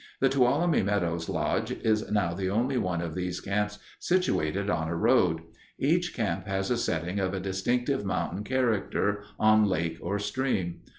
The Tuolumne Meadows Lodge is now the only one of these camps situated on a road. Each camp has a setting of a distinctive mountain character on lake or stream.